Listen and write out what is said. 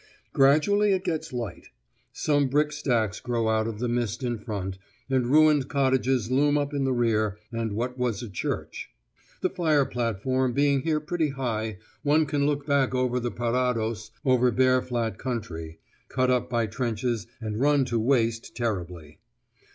Gradually it gets light. Some brick stacks grow out of the mist in front, and ruined cottages loom up in the rear, and what was a church. The fire platform being here pretty high, one can look back over the parados over bare flat country, cut up by trenches and run to waste terribly.